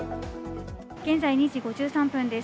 現在２時５３分です。